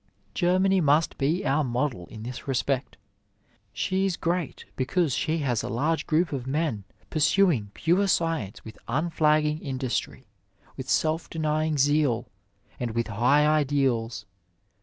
Germany must be our model in this respect. She is great because she* has a large group of men pursuing pure science with unflaggii^ industry, with self denying zeal, and with high ideals.